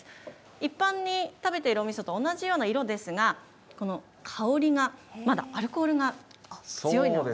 一般に食べているおみそと同じような色ですが、この香りが、まだアルコールが強いんですね。